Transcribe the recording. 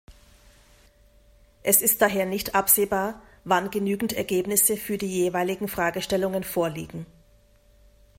Es ist daher nicht absehbar, wann genügend Ergebnisse für die jeweiligen Fragestellungen vorliegen.